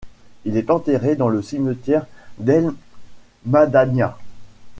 Il est enterré dans le cimetière d’El Madania.